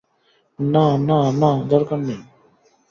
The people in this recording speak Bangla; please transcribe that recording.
না, না, না, দরকার নেই।